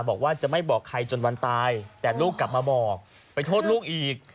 บอกว่าจะไม่บอกใครจนวันตายแต่ลูกกลับมาบอกไปโทษลูกอีก